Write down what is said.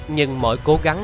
nhưng mọi cố gắng